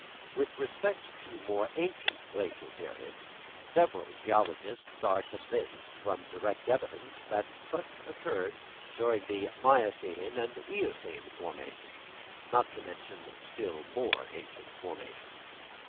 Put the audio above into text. With respect to more ancient glacial periods, several geologists are convinced, from direct evidence, that such occurred during the miocene and eocene formations, not to mention still more ancient formations.